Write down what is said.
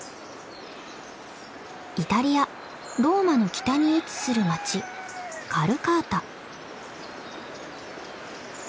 イタリア・ローマの北に位置する町カルカータ。